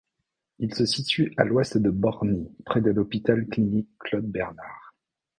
Il se situe à l'ouest de Borny, près de l’hôpital-clinique Claude-Bernard.